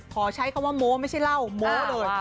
ขอใช้คำว่าโม้ไม่ใช่เหล้าโม้เลย